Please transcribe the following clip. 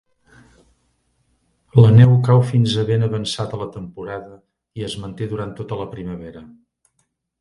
La neu cau fins a ben avançada la temporada i es manté durant tota la primavera.